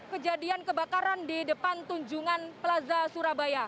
kejadian kebakaran di depan tunjungan plaza surabaya